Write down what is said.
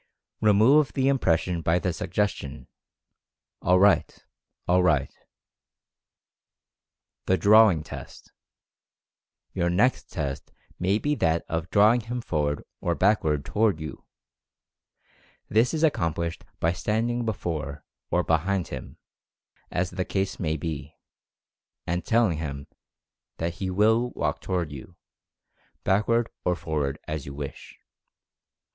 Remove the im pression by the suggestion: "All right — all right." 104 Mental Fascination THE ^DRAWING" TEST. Your next test may be that of drawing him forward or backzvard toward you. This is accomplished by standing before, or behind him, as the case may be, and telling him that he WILL walk toward you, back ward or forward as you wish.